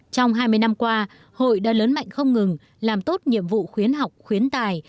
trong hai mươi năm qua hội đã lớn mạnh không ngừng làm tốt nhiệm vụ khuyến học khuyến tài